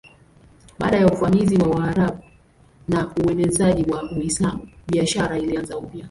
Baada ya uvamizi wa Waarabu na uenezaji wa Uislamu biashara ilianza upya.